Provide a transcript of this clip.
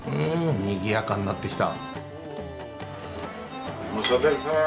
にぎやかになってきた。